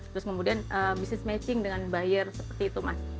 terus kemudian bisnis matching dengan buyer seperti itu mas